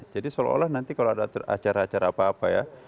jadi seolah olah nanti kalau ada acara acara apa apa ya